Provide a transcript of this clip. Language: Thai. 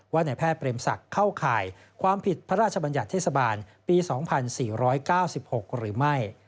ว่าในแพทย์เปรมศักดิ์เข้าข่ายความผิดพระราชบัญญัติเทศบาลปี๒๔๙๖หรือไม่